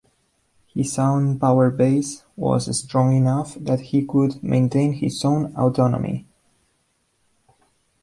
His own power base was strong enough that he could maintain his own autonomy.